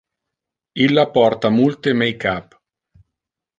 Illa porta multe make-up.